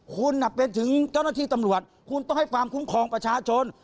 คุณเป็นถึงเจ้าหน้าที่ตำรวจคุณต้องให้ความคุ้มครองประชาชน